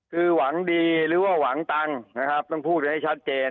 คือหวังดีหรือว่าหวังตังค์นะครับต้องพูดให้ชัดเจน